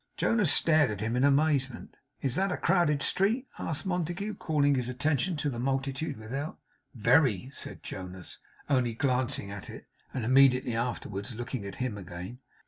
Jonas stared at him in amazement. 'Is that a crowded street?' asked Montague, calling his attention to the multitude without. 'Very,' said Jonas, only glancing at it, and immediately afterwards looking at him again.